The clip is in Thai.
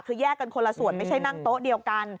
คือแยกกันคนละส่วนไม่ใช่นั่งโต๊ะเดียวกัน